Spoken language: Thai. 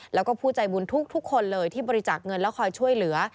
แล้วก็ผู้ใจบุญทุกคนเลยที่บริจาคเงินแล้วคอยช่วยเหลือ